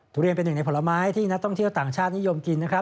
ทุเรียนเป็นหนึ่งในผลไม้ที่นักท่องเที่ยวต่างชาตินิยมกินนะครับ